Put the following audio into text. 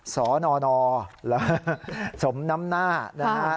สนสมน้ำหน้านะฮะ